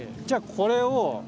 じゃこれを。